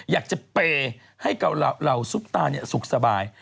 อยากจะเปย์ให้กับเราซุปตานนี้สุขสบาย